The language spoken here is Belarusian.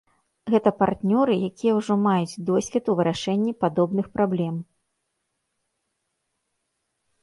Гэта партнёры, якія ўжо маюць досвед у вырашэнні падобных праблем.